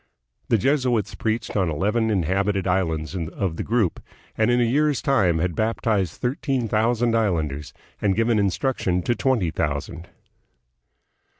The Jesuits preached on eleven inhabited islands of the group, and in a year's time had baptized thirteen thousand islanders and given instruc tion to twenty thousand.